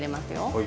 はい。